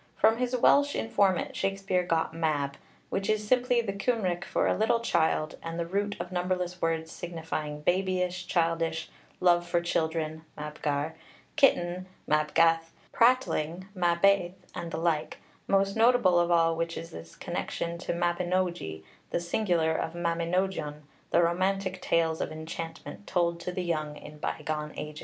From his Welsh informant Shakspeare got Mab, which is simply the Cymric for a little child, and the root of numberless words signifying babyish, childish, love for children (mabgar), kitten (mabgath), prattling (mabiaith), and the like, most notable of all which in this connection is mabinogi, the singular of Mabinogion, the romantic tales of enchantment told to the young in by gone ages.